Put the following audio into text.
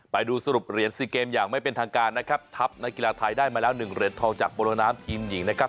ไปดูสรุปเหรียญ๔เกมอย่างไม่เป็นทางการนะครับทัพนักกีฬาไทยได้มาแล้ว๑เหรียญทองจากโบโลน้ำทีมหญิงนะครับ